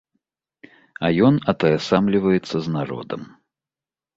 А ён атаясамліваецца з народам.